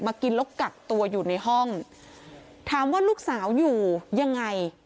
กินแล้วกักตัวอยู่ในห้องถามว่าลูกสาวอยู่ยังไง